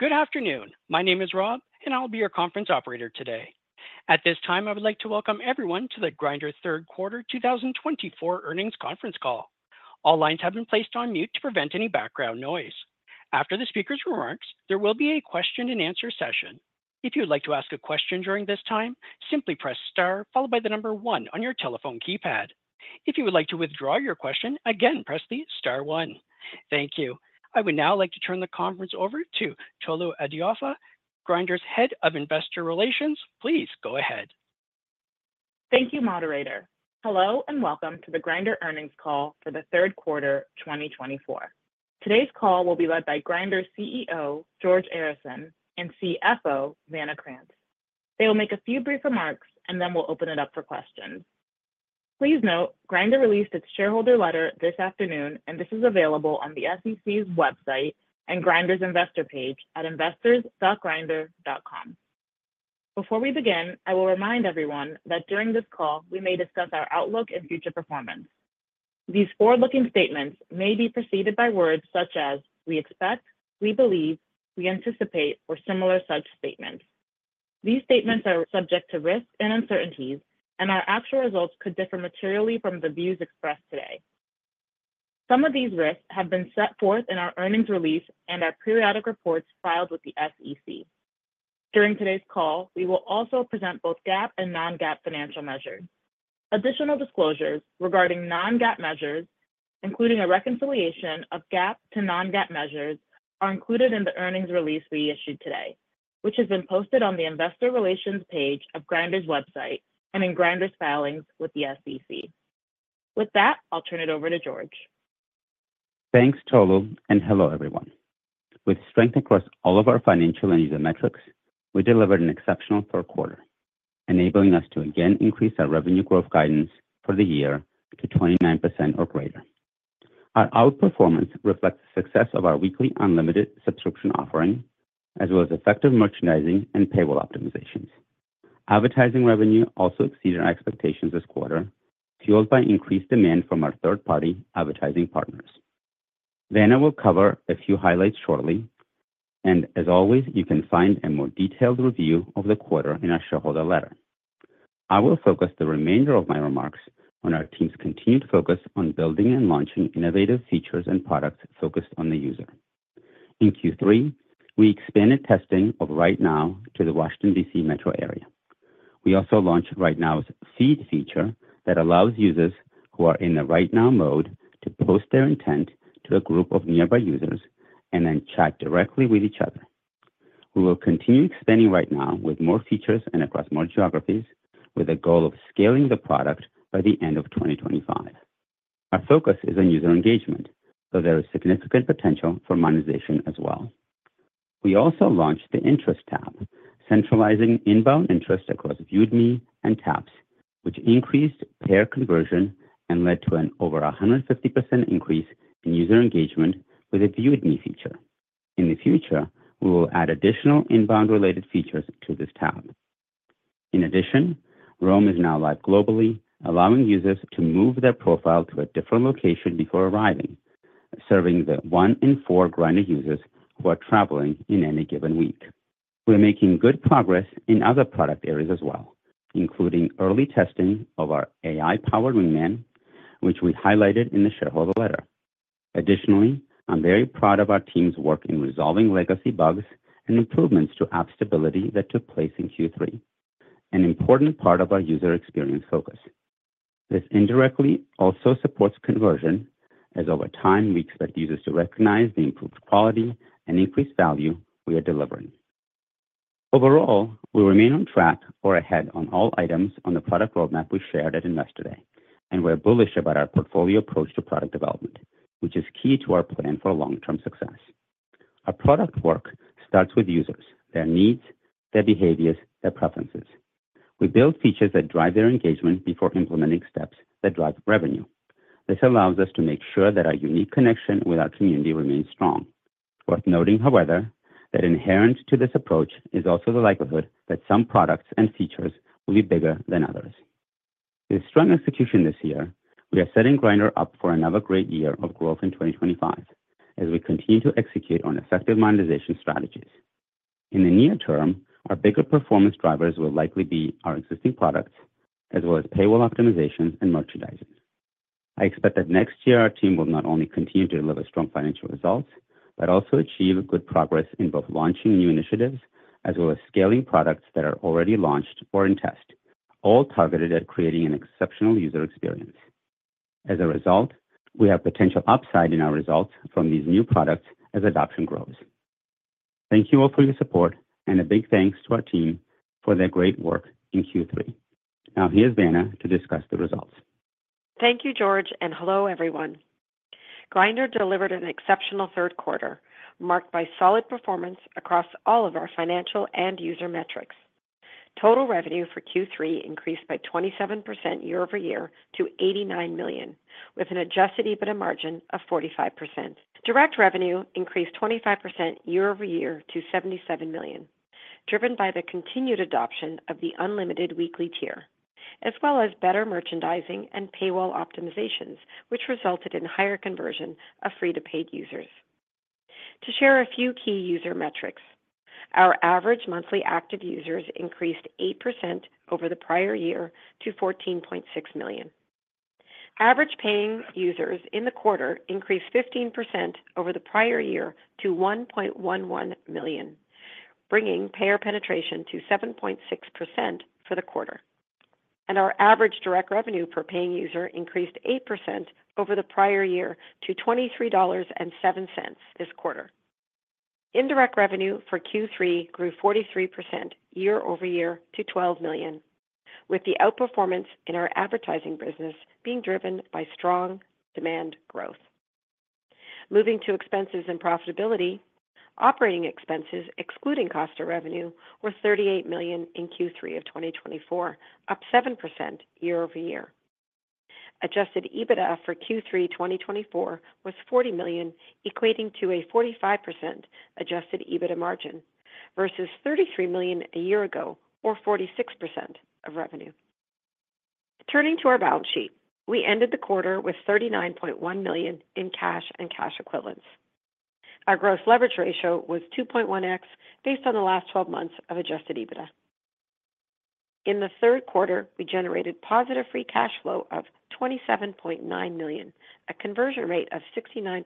Good afternoon. My name is Rob, and I'll be your conference operator today. At this time, I would like to welcome everyone to the Grindr Q3 2024 Earnings Conference Call. All lines have been placed on mute to prevent any background noise. After the speakers' remarks, there will be a Q&A session. If you'd like to ask a question during this time, simply press Star, followed by the number One on your telephone keypad. If you would like to withdraw your question, again, press the Star One. Thank you. I would now like to turn the conference over to Tolu Adeofe, Grindr's Head of Investor Relations. Please go ahead. Thank you, Moderator. Hello and welcome to the Grindr Earnings Call for the Q3 2024. Today's call will be led by Grindr CEO, George Arison, and CFO, Vanna Krantz. They will make a few brief remarks, and then we'll open it up for questions. Please note, Grindr released its shareholder letter this afternoon, and this is available on the SEC's website and Grindr's investor page at investors.grindr.com. Before we begin, I will remind everyone that during this call, we may discuss our outlook and future performance. These forward-looking statements may be preceded by words such as, "We expect," "We believe," "We anticipate," or similar such statements. These statements are subject to risks and uncertainties, and our actual results could differ materially from the views expressed today. Some of these risks have been set forth in our earnings release and our periodic reports filed with the SEC. During today's call, we will also present both GAAP and non-GAAP financial measures. Additional disclosures regarding non-GAAP measures, including a reconciliation of GAAP to non-GAAP measures, are included in the earnings release we issued today, which has been posted on the Investor Relations page of Grindr's website and in Grindr's filings with the SEC. With that, I'll turn it over to George. Thanks, Tolu, and hello everyone. With strength across all of our financial and user metrics, we delivered an exceptional Q3, enabling us to again increase our revenue growth guidance for the year to 29% or greater. Our outperformance reflects the success of our weekly unlimited subscription offering, as well as effective merchandising and paywall optimizations. Advertising revenue also exceeded our expectations this quarter, fueled by increased demand from our third-party advertising partners. Vanna will cover a few highlights shortly, and as always, you can find a more detailed review of the quarter in our shareholder letter. I will focus the remainder of my remarks on our team's continued focus on building and launching innovative features and products focused on the user. In Q3, we expanded testing of Right Now to the Washington, D.C. metro area. We also launched Right Now's feed feature that allows users who are in the Right Now mode to post their intent to a group of nearby users and then chat directly with each other. We will continue expanding Right Now with more features and across more geographies, with a goal of scaling the product by the end of 2025. Our focus is on user engagement, though there is significant potential for monetization as well. We also launched the Interest tab, centralizing inbound interest across Viewed Me and Taps, which increased pair conversion and led to an over 150% increase in user engagement with a Viewed Me feature. In the future, we will add additional inbound-related features to this tab. In addition, Roam is now live globally, allowing users to move their profile to a different location before arriving, serving the one in four Grindr users who are traveling in any given week. We're making good progress in other product areas as well, including early testing of our AI-powered Wingman, which we highlighted in the shareholder letter. Additionally, I'm very proud of our team's work in resolving legacy bugs and improvements to app stability that took place in Q3, an important part of our user experience focus. This indirectly also supports conversion, as over time, we expect users to recognize the improved quality and increased value we are delivering. Overall, we remain on track or ahead on all items on the product roadmap we shared at Investor Day, and we're bullish about our portfolio approach to product development, which is key to our plan for long-term success. Our product work starts with users, their needs, their behaviors, their preferences. We build features that drive their engagement before implementing steps that drive revenue. This allows us to make sure that our unique connection with our community remains strong. Worth noting, however, that inherent to this approach is also the likelihood that some products and features will be bigger than others. With strong execution this year, we are setting Grindr up for another great year of growth in 2025, as we continue to execute on effective monetization strategies. In the near term, our bigger performance drivers will likely be our existing products, as well as payroll optimizations and merchandising. I expect that next year, our team will not only continue to deliver strong financial results, but also achieve good progress in both launching new initiatives, as well as scaling products that are already launched or in test, all targeted at creating an exceptional user experience. As a result, we have potential upside in our results from these new products as adoption grows. Thank you all for your support, and a big thanks to our team for their great work in Q3. Now, here's Vanna to discuss the results. Thank you, George, and hello everyone. Grindr delivered an exceptional Q3, marked by solid performance across all of our financial and user metrics. Total revenue for Q3 increased by 27% year-over-year to $89 million, with an Adjusted EBITDA margin of 45%. Direct revenue increased 25% year-over-year to $77 million, driven by the continued adoption of the Unlimited weekly tier, as well as better merchandising and paywall optimizations, which resulted in higher conversion of free-to-pay users. To share a few key user metrics, our average monthly active users increased 8% over the prior year to 14.6 million. Average paying users in the quarter increased 15% over the prior year to 1.11 million, bringing payer penetration to 7.6% for the quarter. And our average direct revenue per paying user increased 8% over the prior year to $23.07 this quarter. Indirect revenue for Q3 grew 43% year-over-year to $12 million, with the outperformance in our advertising business being driven by strong demand growth. Moving to expenses and profitability, operating expenses excluding cost of revenue were $38 million in Q3 of 2024, up 7% year-over-year. Adjusted EBITDA for Q3 2024 was $40 million, equating to a 45% adjusted EBITDA margin versus $33 million a year ago, or 46% of revenue. Turning to our balance sheet, we ended the quarter with $39.1 million in cash and cash equivalents. Our gross leverage ratio was 2.1x based on the last 12 months of adjusted EBITDA. In the Q3, we generated positive free cash flow of $27.9 million, a conversion rate of 69%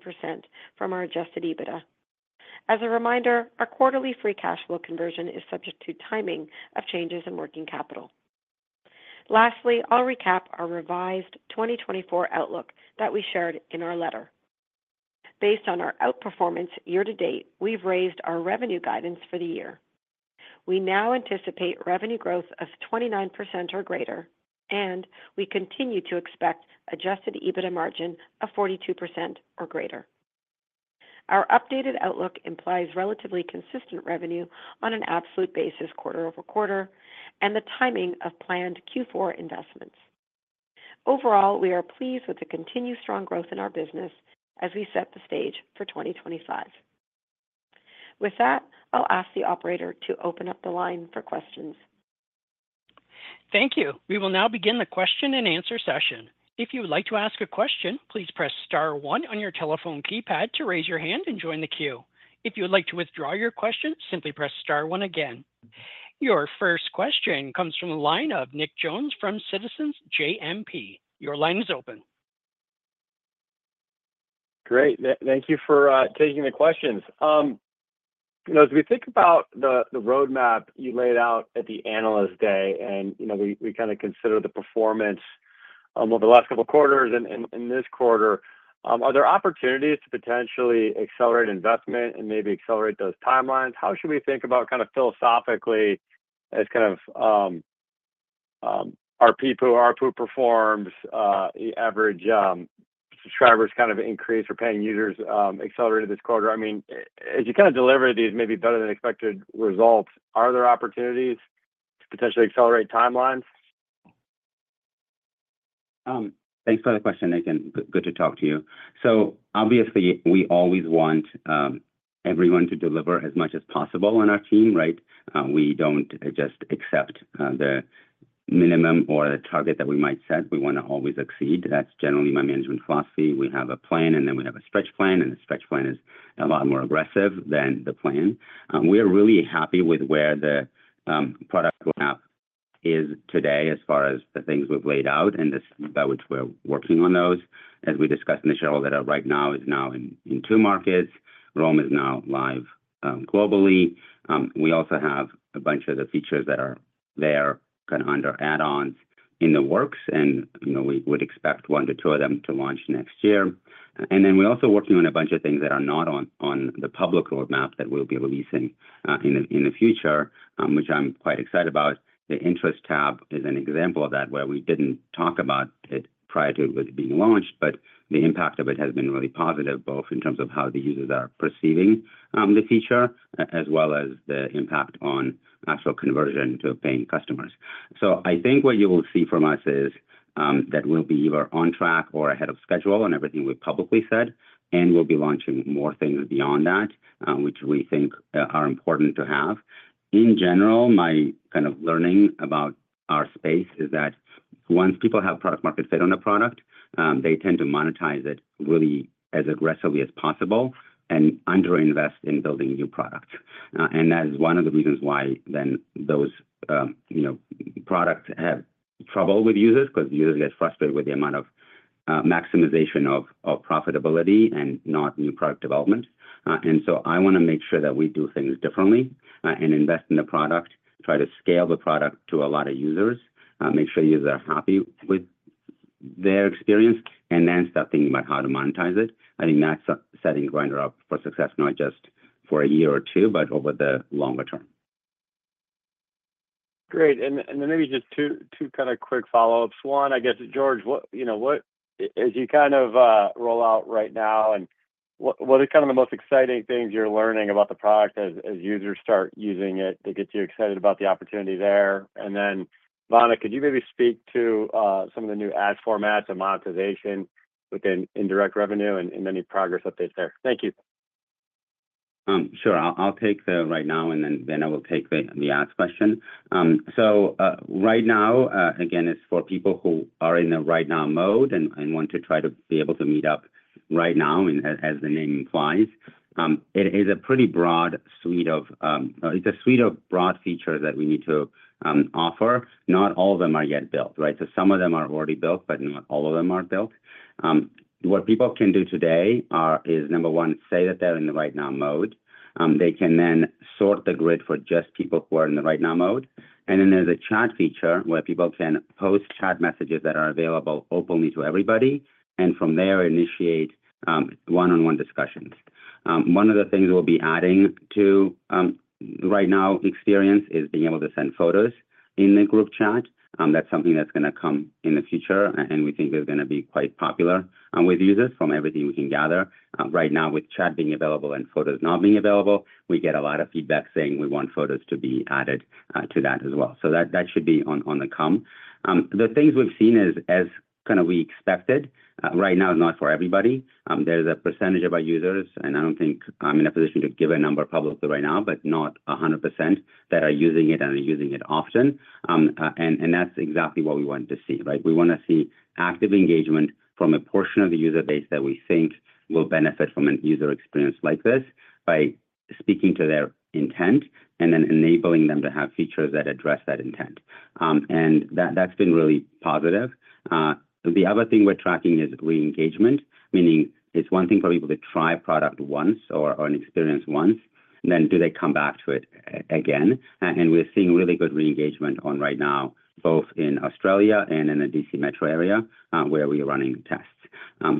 from our adjusted EBITDA. As a reminder, our quarterly free cash flow conversion is subject to timing of changes in working capital. Lastly, I'll recap our revised 2024 outlook that we shared in our letter. Based on our outperformance year to date, we've raised our revenue guidance for the year. We now anticipate revenue growth of 29% or greater, and we continue to expect Adjusted EBITDA margin of 42% or greater. Our updated outlook implies relatively consistent revenue on an absolute basis quarter-over-quarter, and the timing of planned Q4 investments. Overall, we are pleased with the continued strong growth in our business as we set the stage for 2025. With that, I'll ask the operator to open up the line for questions. Thank you. We will now begin the question and answer session. If you would like to ask a question, please press Star One on your telephone keypad to raise your hand and join the queue. If you would like to withdraw your question, simply press Star One again. Your first question comes from the line of Nick Jones from Citizens JMP. Your line is open. Great. Thank you for taking the questions. As we think about the roadmap you laid out at the analyst day, and we kind of consider the performance over the last couple of quarters and this quarter, are there opportunities to potentially accelerate investment and maybe accelerate those timelines? How should we think about kind of philosophically as kind of our PPU, our ARPU performs, the average subscribers kind of increase for paying users accelerated this quarter? I mean, as you kind of delivered these maybe better than expected results, are there opportunities to potentially accelerate timelines? Thanks for the question, Nick and Good to talk to you, so obviously, we always want everyone to deliver as much as possible on our team, right? We don't just accept the minimum or the target that we might set. We want to always exceed. That's generally my management philosophy. We have a plan, and then we have a stretch plan, and the stretch plan is a lot more aggressive than the plan. We are really happy with where the product map is today as far as the things we've laid out and the steps by which we're working on those. As we discussed in the shareholder letter, Right Now is now in two markets. Roam is now live globally. We also have a bunch of the features that are there kind of under add-ons in the works, and we would expect one to two of them to launch next year. And then we're also working on a bunch of things that are not on the public roadmap that we'll be releasing in the future, which I'm quite excited about. The Interest tab is an example of that where we didn't talk about it prior to it being launched, but the impact of it has been really positive, both in terms of how the users are perceiving the feature, as well as the impact on actual conversion to paying customers. So I think what you will see from us is that we'll be either on track or ahead of schedule on everything we've publicly said, and we'll be launching more things beyond that, which we think are important to have. In general, my kind of learning about our space is that once people have product-market fit on a product, they tend to monetize it really as aggressively as possible and underinvest in building new products. And that is one of the reasons why then those products have trouble with users because users get frustrated with the amount of maximization of profitability and not new product development. And so I want to make sure that we do things differently and invest in the product, try to scale the product to a lot of users, make sure users are happy with their experience, and then start thinking about how to monetize it. I think that's setting Grindr up for success, not just for a year or two, but over the longer term. Great. And then maybe just two kind of quick follow-ups. One, I guess, George, as you kind of roll out Right Now, what are kind of the most exciting things you're learning about the product as users start using it that gets you excited about the opportunity there? And then, Vanna, could you maybe speak to some of the new ad formats and monetization within indirect revenue and any progress updates there? Thank you. Sure. I'll take the Right Now, and then I will take the ask question. So Right Now, again, it's for people who are in the Right Now mode and want to try to be able to meet up right now, as the name implies. It is a pretty broad suite of broad features that we need to offer. Not all of them are yet built, right? So some of them are already built, but not all of them are built. What people can do today is, number one, say that they're in the Right Now mode. They can then sort the grid for just people who are in the Right Now mode. And then there's a chat feature where people can post chat messages that are available openly to everybody, and from there, initiate one-on-one discussions. One of the things we'll be adding to the Right Now experience is being able to send photos in the group chat. That's something that's going to come in the future, and we think it's going to be quite popular with users from everything we can gather. Right now, with chat being available and photos not being available, we get a lot of feedback saying we want photos to be added to that as well. So that should be on the come. The things we've seen is, as kind of we expected, Right Now is not for everybody. There's a percentage of our users, and I don't think I'm in a position to give a number publicly right now, but not 100% that are using it and are using it often, and that's exactly what we want to see, right? We want to see active engagement from a portion of the user base that we think will benefit from a user experience like this by speaking to their intent and then enabling them to have features that address that intent, and that's been really positive. The other thing we're tracking is re-engagement, meaning it's one thing for people to try a product once or an experience once, then do they come back to it again, and we're seeing really good re-engagement on Right Now, both in Australia and in the D.C. metro area where we are running tests,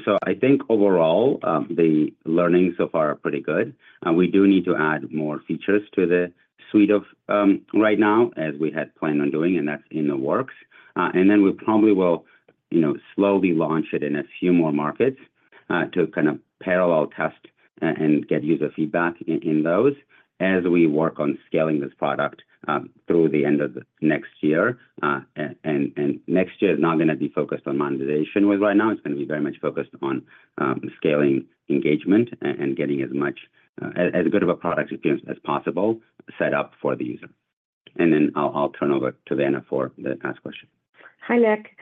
so I think overall, the learnings so far are pretty good. We do need to add more features to the suite of Right Now, as we had planned on doing, and that's in the works. And then we probably will slowly launch it in a few more markets to kind of parallel test and get user feedback in those as we work on scaling this product through the end of next year. Next year is not going to be focused on monetization with Right Now. It is going to be very much focused on scaling engagement and getting as good of a product experience as possible set up for the user. Then I will turn over to Vanna for the next question. Hi Nick.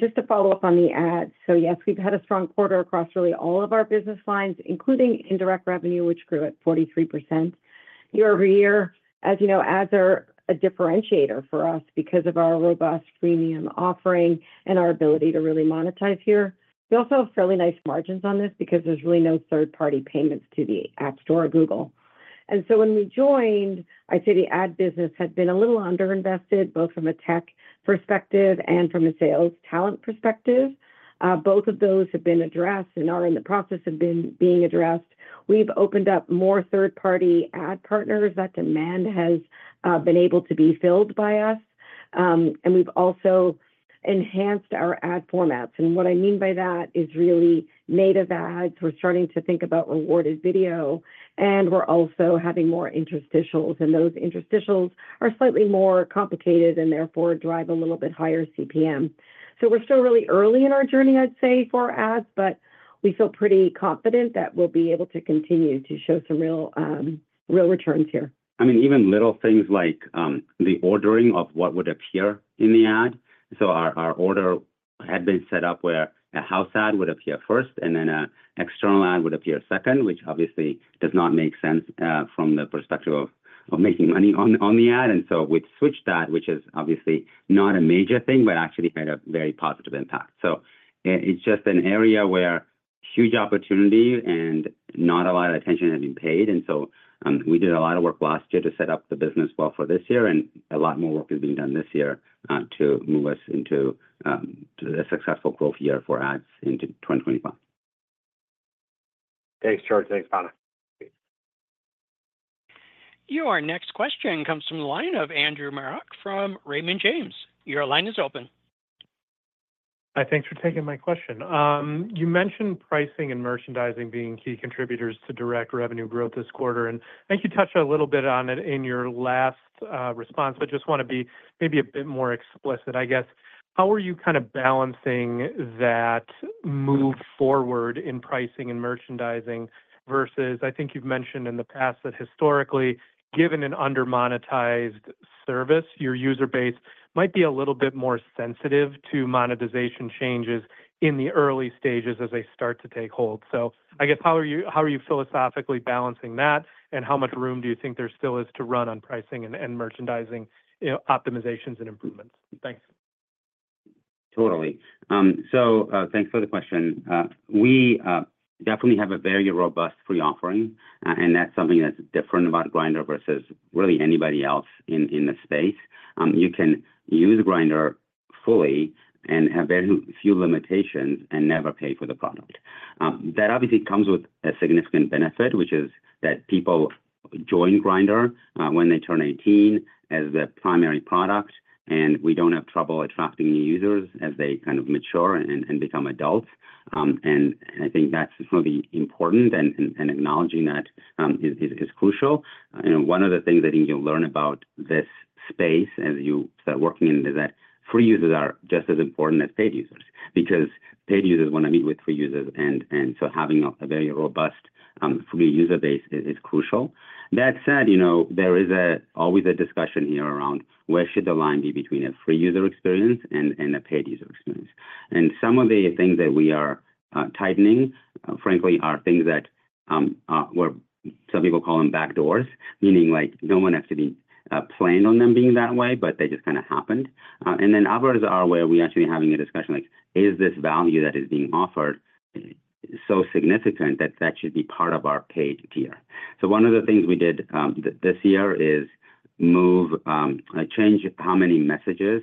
Just to follow up on the ads. So yes, we've had a strong quarter across really all of our business lines, including indirect revenue, which grew at 43%. year-over-year, as you know, ads are a differentiator for us because of our robust freemium offering and our ability to really monetize here. We also have fairly nice margins on this because there's really no third-party payments to the App Store or Google. And so when we joined, I'd say the ad business had been a little underinvested, both from a tech perspective and from a sales talent perspective. Both of those have been addressed and are in the process of being addressed. We've opened up more third-party ad partners that demand has been able to be filled by us. And we've also enhanced our ad formats. And what I mean by that is really native ads. We're starting to think about rewarded video, and we're also having more interstitials, and those interstitials are slightly more complicated and therefore drive a little bit higher CPM, so we're still really early in our journey, I'd say, for ads, but we feel pretty confident that we'll be able to continue to show some real returns here. I mean, even little things like the ordering of what would appear in the ad. So our order had been set up where a house ad would appear first, and then an external ad would appear second, which obviously does not make sense from the perspective of making money on the ad. And so we've switched that, which is obviously not a major thing, but actually had a very positive impact. So it's just an area where huge opportunity and not a lot of attention had been paid. And so we did a lot of work last year to set up the business well for this year, and a lot more work is being done this year to move us into a successful growth year for ads into 2025. Thanks, George. Thanks, Vanna. Your next question comes from the line of Andrew Marok from Raymond James. Your line is open. Hi, thanks for taking my question. You mentioned pricing and merchandising being key contributors to direct revenue growth this quarter. And I think you touched a little bit on it in your last response, but just want to be maybe a bit more explicit, I guess. How are you kind of balancing that move forward in pricing and merchandising versus, I think you've mentioned in the past that historically, given an under-monetized service, your user base might be a little bit more sensitive to monetization changes in the early stages as they start to take hold? So I guess, how are you philosophically balancing that, and how much room do you think there still is to run on pricing and merchandising optimizations and improvements? Thanks. Totally, so thanks for the question. We definitely have a very robust free offering, and that's something that's different about Grindr versus really anybody else in the space. You can use Grindr fully and have very few limitations and never pay for the product. That obviously comes with a significant benefit, which is that people join Grindr when they turn 18 as the primary product, and we don't have trouble attracting new users as they kind of mature and become adults, and I think that's really important, and acknowledging that is crucial. One of the things I think you'll learn about this space as you start working in it is that free users are just as important as paid users because paid users want to meet with free users, and so having a very robust free user base is crucial. That said, there is always a discussion here around where should the line be between a free user experience and a paid user experience. And some of the things that we are tightening, frankly, are things that some people call them backdoors, meaning no one actually planned on them being that way, but they just kind of happened. And then others are where we're actually having a discussion like, is this value that is being offered so significant that that should be part of our paid tier? So one of the things we did this year is change how many messages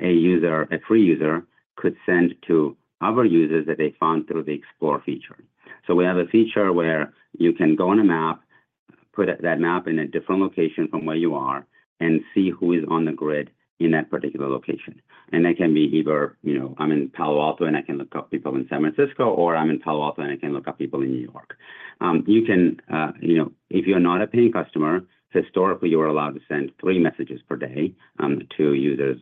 a user, a free user, could send to other users that they found through the Explore feature. We have a feature where you can go on a map, put that map in a different location from where you are, and see who is on the grid in that particular location. That can be either, I'm in Palo Alto and I can look up people in San Francisco, or I'm in Palo Alto and I can look up people in New York. If you're not a paying customer, historically, you were allowed to send three messages per day to users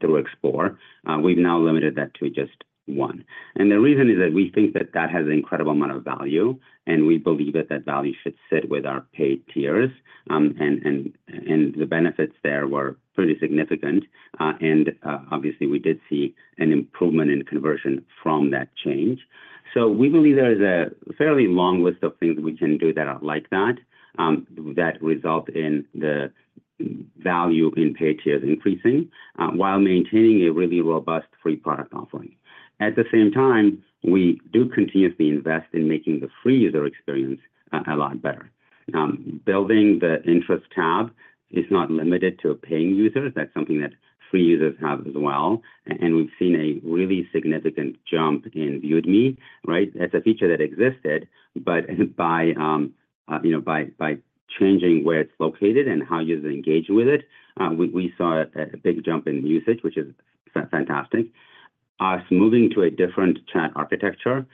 through Explore. We've now limited that to just one. The reason is that we think that that has an incredible amount of value, and we believe that that value should sit with our paid tiers, and the benefits there were pretty significant. Obviously, we did see an improvement in conversion from that change. We believe there is a fairly long list of things we can do that are like that, that result in the value in paid tiers increasing while maintaining a really robust free product offering. At the same time, we do continuously invest in making the free user experience a lot better. Building the Interest tab is not limited to paying users. That's something that free users have as well. And we've seen a really significant jump in usage, right? That's a feature that existed, but by changing where it's located and how users engage with it, we saw a big jump in usage, which is fantastic. Us moving to a different chat architecture,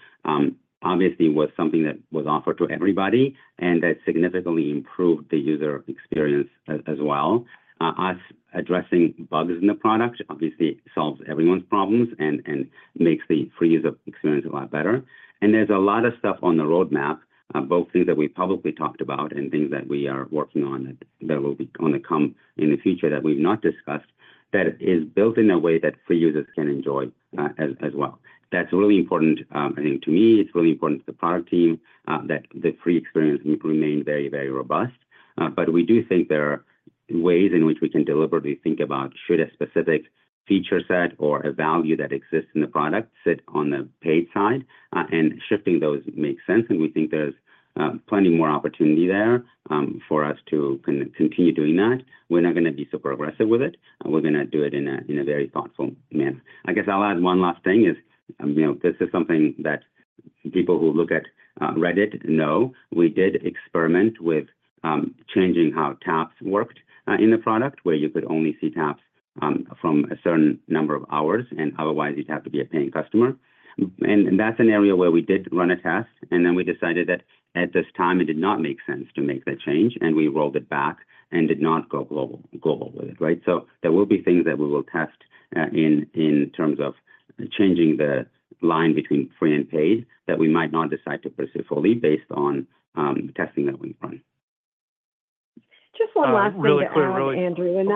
obviously, was something that was offered to everybody, and that significantly improved the user experience as well. Us addressing bugs in the product obviously solves everyone's problems and makes the free user experience a lot better. And there's a lot of stuff on the roadmap, both things that we've publicly talked about and things that we are working on that will be coming in the future that we've not discussed, that is built in a way that free users can enjoy as well. That's really important. I think to me, it's really important to the product team that the free experience remain very, very robust. But we do think there are ways in which we can deliberately think about should a specific feature set or a value that exists in the product sit on the paid side, and shifting those makes sense. And we think there's plenty more opportunity there for us to continue doing that. We're not going to be super aggressive with it. We're going to do it in a very thoughtful manner. I guess I'll add one last thing. This is something that people who look at Reddit know. We did experiment with changing how tabs worked in the product, where you could only see tabs from a certain number of hours, and otherwise, you'd have to be a paying customer, and that's an area where we did run a test, and then we decided that at this time, it did not make sense to make the change, and we rolled it back and did not go global with it, right, so there will be things that we will test in terms of changing the line between free and paid that we might not decide to pursue fully based on testing that we've run. Just one last thing to add, Andrew. And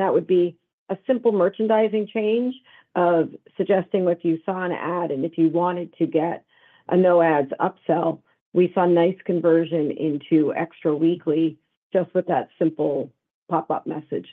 that is a simple merchandising change of suggesting what you saw in an ad. And if you wanted to get a no-ads upsell, we saw nice conversion into Xtra weekly just with that simple pop-up message.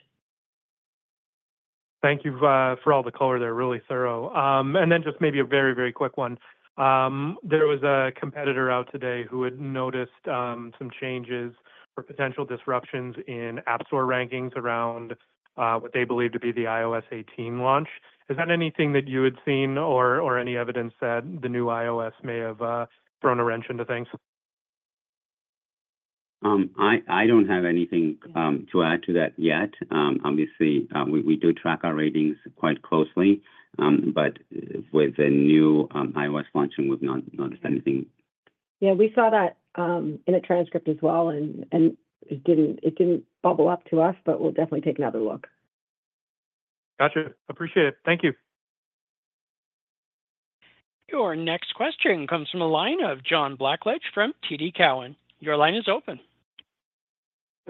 Thank you for all the color. They're really thorough, and then just maybe a very, very quick one. There was a competitor out today who had noticed some changes or potential disruptions in App Store rankings around what they believe to be the iOS 18 launch. Is that anything that you had seen or any evidence that the new iOS may have thrown a wrench into things? I don't have anything to add to that yet. Obviously, we do track our ratings quite closely, but with the new iOS launch, we've not noticed anything. Yeah, we saw that in a transcript as well, and it didn't bubble up to us, but we'll definitely take another look. Gotcha. Appreciate it. Thank you. Your next question comes from a line of John Blackledge from TD Cowen. Your line is open.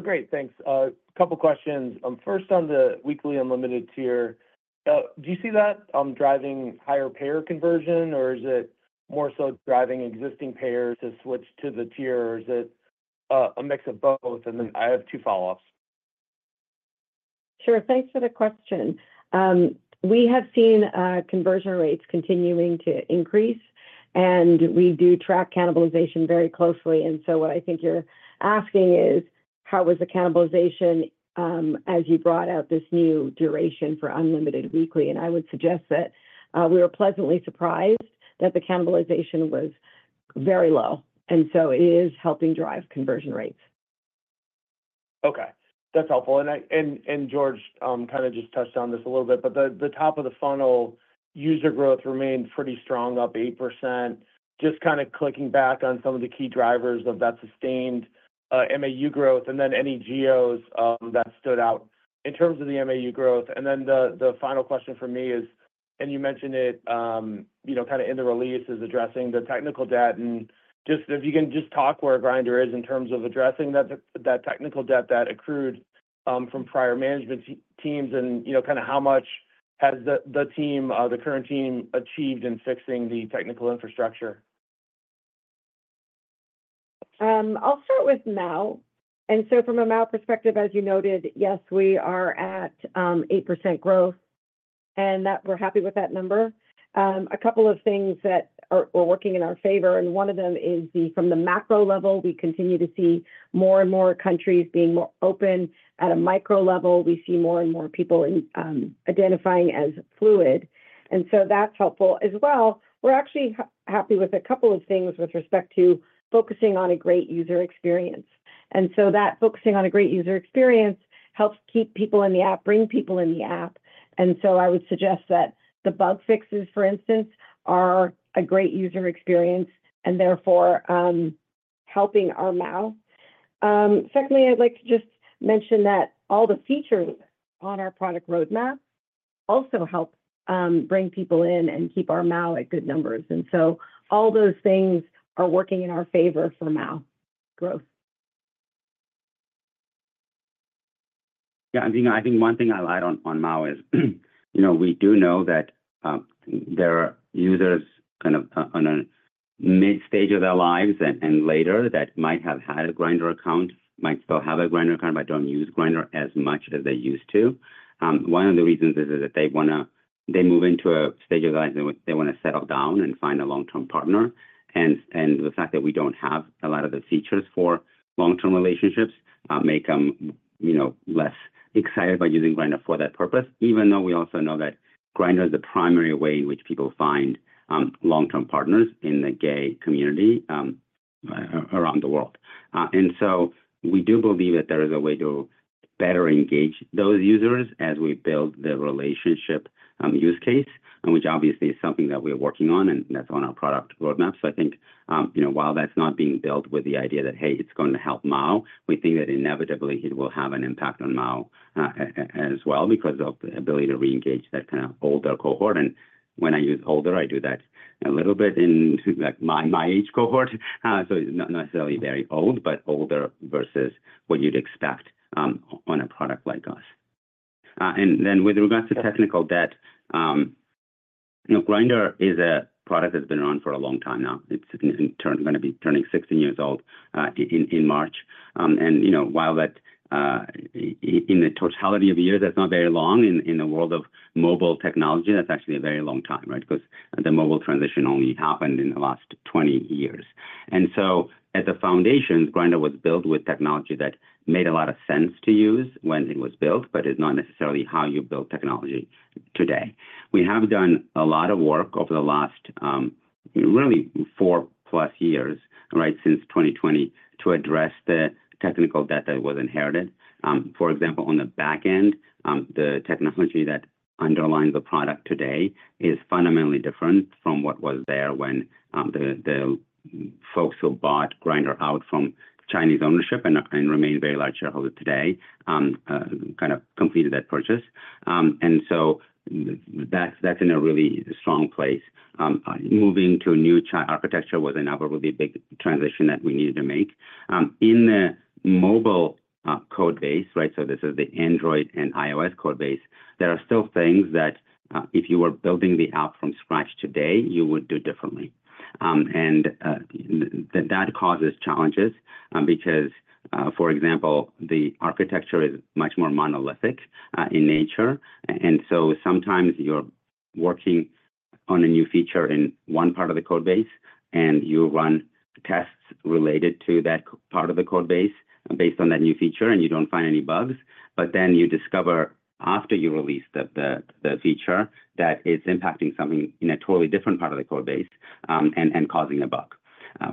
Great. Thanks. A couple of questions. First, on the weekly unlimited tier, do you see that driving higher payer conversion, or is it more so driving existing payers to switch to the tier, or is it a mix of both? And then I have two follow-ups. Sure. Thanks for the question. We have seen conversion rates continuing to increase, and we do track cannibalization very closely. What I think you're asking is how was the cannibalization as you brought out this new duration for unlimited weekly? I would suggest that we were pleasantly surprised that the cannibalization was very low. It is helping drive conversion rates. Okay. That's helpful. And George kind of just touched on this a little bit, but the top of the funnel, user growth remained pretty strong, up 8%. Just kind of clicking back on some of the key drivers of that sustained MAU growth, and then any GOs that stood out in terms of the MAU growth. And then the final question for me is, and you mentioned it kind of in the release, is addressing the technical debt. And just if you can just talk where Grindr is in terms of addressing that technical debt that accrued from prior management teams and kind of how much has the current team achieved in fixing the technical infrastructure? I'll start with MAU and so from a MAU perspective, as you noted, yes, we are at 8% growth, and we're happy with that number. A couple of things that are working in our favor, and one of them is from the macro level, we continue to see more and more countries being more open. At a micro level, we see more and more people identifying as fluid, and so that's helpful. As well, we're actually happy with a couple of things with respect to focusing on a great user experience, and so that focusing on a great user experience helps keep people in the app, bring people in the app, and so I would suggest that the bug fixes, for instance, are a great user experience and therefore helping our MAU. Secondly, I'd like to just mention that all the features on our product roadmap also help bring people in and keep our MAU at good numbers, and so all those things are working in our favor for MAU growth. Yeah. I think one thing I lag on MAU is we do know that there are users kind of in a mid-stage of their lives and later that might have had a Grindr account, might still have a Grindr account, but don't use Grindr as much as they used to. One of the reasons is that they move into a stage of their lives, they want to settle down and find a long-term partner, and the fact that we don't have a lot of the features for long-term relationships makes them less excited by using Grindr for that purpose, even though we also know that Grindr is the primary way in which people find long-term partners in the gay community around the world. And so we do believe that there is a way to better engage those users as we build the relationship use case, which obviously is something that we are working on and that's on our product roadmap. So I think while that's not being built with the idea that, hey, it's going to help MAU, we think that inevitably it will have an impact on MAU as well because of the ability to re-engage that kind of older cohort. And when I use older, I do that a little bit in my age cohort. So it's not necessarily very old, but older versus what you'd expect on a product like us. And then with regards to technical debt, Grindr is a product that's been around for a long time now. It's going to be turning 16 years old in March. While that in the totality of years, that's not very long. In the world of mobile technology, that's actually a very long time, right? Because the mobile transition only happened in the last 20 years. So at the foundations, Grindr was built with technology that made a lot of sense to use when it was built, but it's not necessarily how you build technology today. We have done a lot of work over the last really four-plus years, right, since 2020 to address the technical debt that was inherited. For example, on the back end, the technology that underlies the product today is fundamentally different from what was there when the folks who bought Grindr out from Chinese ownership and remain very large shareholders today kind of completed that purchase. So that's in a really strong place. Moving to a new chat architecture was another really big transition that we needed to make. In the mobile code base, right, so this is the Android and iOS code base. There are still things that if you were building the app from scratch today, you would do differently, and that causes challenges because, for example, the architecture is much more monolithic in nature, and so sometimes you're working on a new feature in one part of the code base, and you run tests related to that part of the code base based on that new feature, and you don't find any bugs, but then you discover after you release the feature that it's impacting something in a totally different part of the code base and causing a bug,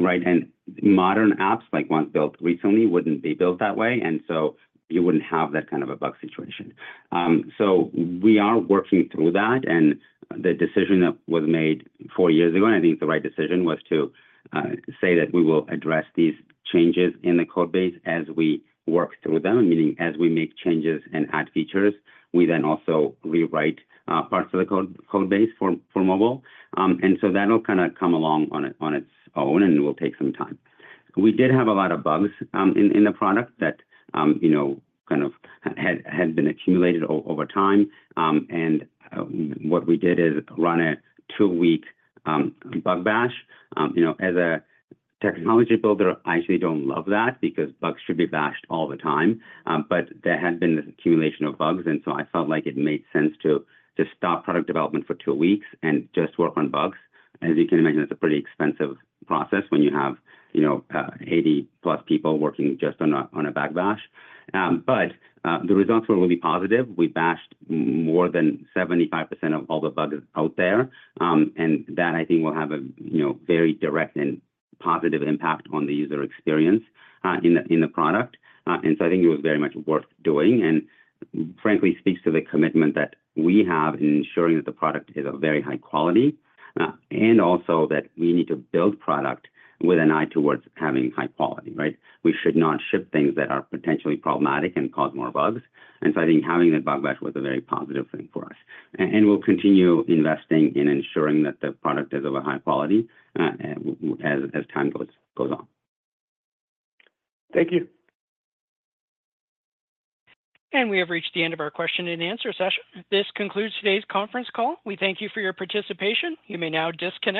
right, and modern apps, like ones built recently, wouldn't be built that way. And so you wouldn't have that kind of a bug situation. So we are working through that. And the decision that was made four years ago, and I think the right decision was to say that we will address these changes in the code base as we work through them, meaning as we make changes and add features, we then also rewrite parts of the code base for mobile. And so that'll kind of come along on its own, and it will take some time. We did have a lot of bugs in the product that kind of had been accumulated over time. And what we did is run a two-week bug bash. As a technology builder, I actually don't love that because bugs should be bashed all the time. But there had been this accumulation of bugs, and so I felt like it made sense to stop product development for two weeks and just work on bugs. As you can imagine, it's a pretty expensive process when you have 80-plus people working just on a bug bash. But the results were really positive. We bashed more than 75% of all the bugs out there. And that, I think, will have a very direct and positive impact on the user experience in the product. And so I think it was very much worth doing and frankly speaks to the commitment that we have in ensuring that the product is of very high quality and also that we need to build product with an eye towards having high quality, right? We should not ship things that are potentially problematic and cause more bugs. And so I think having that bug bash was a very positive thing for us. And we'll continue investing in ensuring that the product is of a high quality as time goes on. Thank you. We have reached the end of our question and answer session. This concludes today's conference call. We thank you for your participation. You may now disconnect.